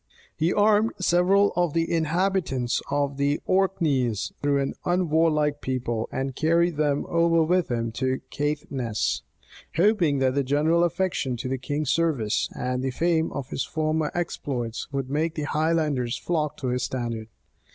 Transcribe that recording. He armed several of the inhabitants of the Orkneys, though an unwarlike people, and carried them over with him to Caithness; hoping that the general affection to the king's service, and the fame of his former exploits, would make the Highlanders flock to his standard.